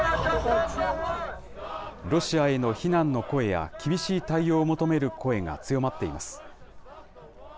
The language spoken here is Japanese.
ロシアへの非難の声や厳しい対応を求める声が強まっています。